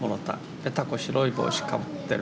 ペタコ白い帽子かぶってる。